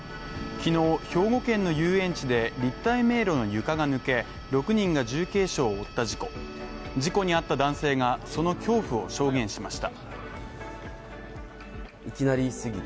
昨日兵庫県の遊園地で、立体迷路の床が抜け、６人が重軽傷を負った事故で、事故に遭った男性が、その恐怖を証言しました。